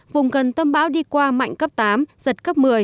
vùng gần tâm bão đi qua mạnh cấp tám giật cấp một mươi